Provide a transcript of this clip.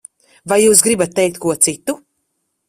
Vai jūs gribat teikt ko citu?